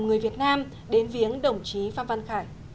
người việt nam đến viếng đồng chí phan văn khải